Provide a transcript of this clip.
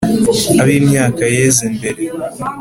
abi myaka yeze mbere